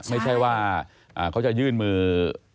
ไม่ใช่ว่าเขาจะยื่นมือ